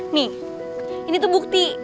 nih ini tuh bukti